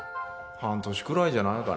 半年くらいじゃないかね？